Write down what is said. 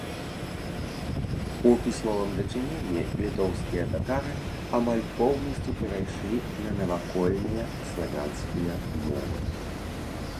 У пісьмовым дачыненні літоўскія татары амаль поўнасцю перайшлі на навакольныя славянскія мовы.